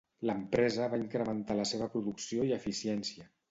L'empresa va incrementar la seva producció i eficiència.